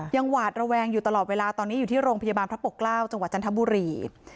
หวาดระแวงอยู่ตลอดเวลาตอนนี้อยู่ที่โรงพยาบาลพระปกเกล้าจังหวัดจันทบุรี